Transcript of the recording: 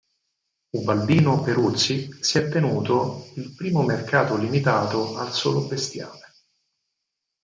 Ubaldino Peruzzi, si è tenuto il primo mercato limitato al solo bestiame.